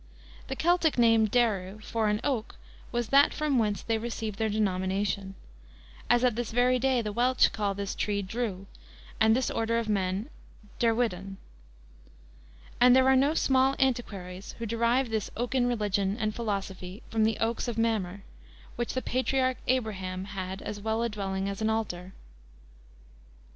The Celtic name Deru, for an Oak was that from whence they received their denomination; as at this very day the Welch call this tree Drew, and this order of men Derwyddon. But there are no small antiquaries who derive this oaken religion and philosophy from the Oaks of Mamre, where the Patriarch Abraham had as well a dwelling as an altar.